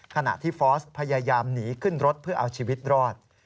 ขณะที่ฟอร์สพยายามหนีขึ้นรถเพื่อเอาชีวิตรอด